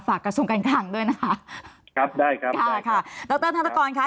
ฝากกระทรวงกันขังด้วยนะคะครับได้ครับได้ครับค่ะดรธกรค่ะ